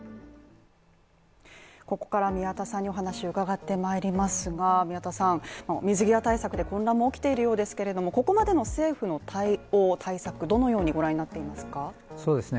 ここから宮田さんにお話を伺ってまいりますが宮田さんの水際対策で混乱も起きているようですけれどもここまでの政府の対応、対策どのようにご覧になっていますかそうですね